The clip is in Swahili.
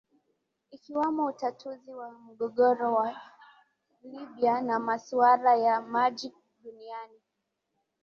Ikiwamo utatuzi wa mgogoro wa Libya na masuala ya maji duniani